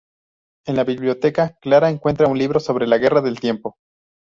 En la biblioteca, Clara encuentra un libro sobre la Guerra del Tiempo.